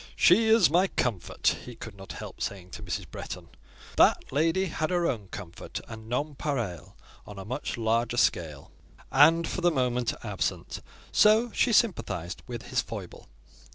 "She is my comfort!" he could not help saying to Mrs. Bretton. That lady had her own "comfort" and nonpareil on a much larger scale, and, for the moment, absent; so she sympathised with his foible.